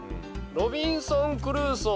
「ロビンソン・クルーソー」